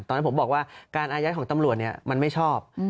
ตอนนั้นผมบอกว่าการอายัดของตำรวจมันไม่ชอบ